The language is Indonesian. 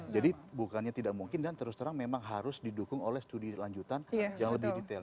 jadi bukannya tidak mungkin dan terus terang memang harus didukung oleh studi lanjutan yang lebih detail